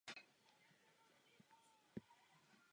Máme možnost udělat další krok.